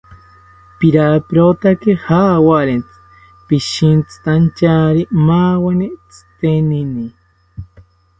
Piraperotaki jawarintzi, pishintzitantyari maaweni tzitenini